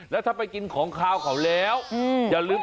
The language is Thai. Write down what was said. แล้วถ้าไปกินของขาวเขาแล้วอย่าลืม